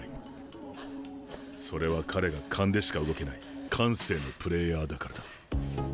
それは彼が勘でしか動けない感性のプレーヤーだからだ。